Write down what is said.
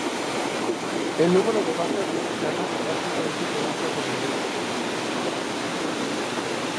El número de bajas mexicanas ha sido origen de mucha controversia.